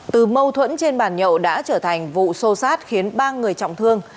từ mâu thuẫn trên bàn nhậu đã trở thành vụ sô sát khiến ba người trọng thương